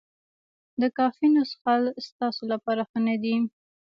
د کافینو څښل ستاسو لپاره ښه نه دي.